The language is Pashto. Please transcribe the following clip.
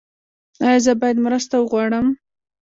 ایا زه باید مرسته وغواړم؟